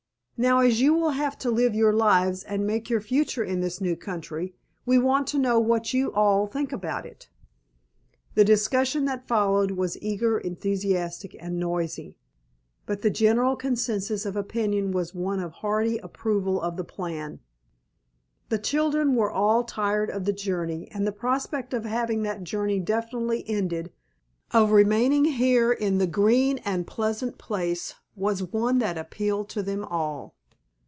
Now, as you will have to live your lives and make your future in this new country, we want to know what you all think about it." The discussion that followed was eager, enthusiastic and noisy, but the general consensus of opinion was one of hearty approval of the plan. The children were all tired of the journey, and the prospect of having that journey definitely ended, of remaining here in the green and pleasant place was one that appealed to them all.